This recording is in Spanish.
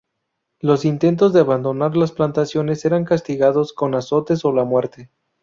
Los intentos de abandonar las plantaciones eran castigados con azotes o la muerte.